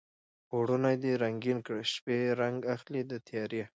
پوړونی دې رنګین کړه شپې رنګ اخلي د تیارې